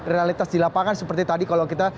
realitas di lapangan seperti tadi kalau kita